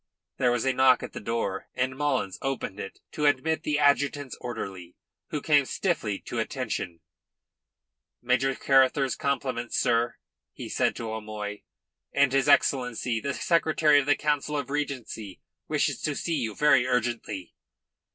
There was a knock at the door, and Mullins opened it to admit the adjutant's orderly, who came stiffly to attention. "Major Carruthers's compliments, sir," he said to O'Moy, "and his Excellency the Secretary of the Council of Regency wishes to see you very urgently."